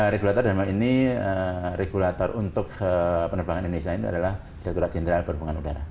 regulator dalam artian ini regulator untuk penerbangan indonesia ini adalah regulator central perhubungan udara